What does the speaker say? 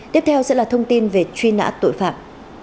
tiếp theo sẽ là thông tin về truy nã tội phạm